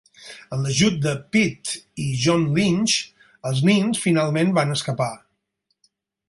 Amb l'ajut de Pitt i John Lynch, els nens finalment van escapar.